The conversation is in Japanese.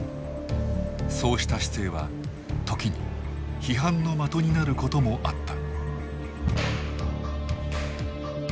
そうした姿勢は時に批判の的になることもあった。